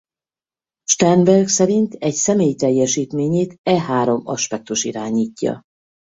Sternberg szerint egy személy teljesítményét e három aspektus irányítja.